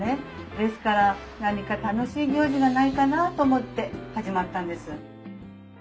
ですから何か楽しい行事がないかなと思って始まったんです。